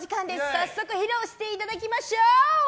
早速披露していただきましょう！